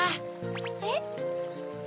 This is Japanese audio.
えっ？